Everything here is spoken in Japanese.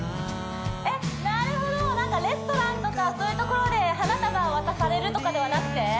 えっなるほどなんかレストランとかそういうところで花束を渡されるとかではなくて？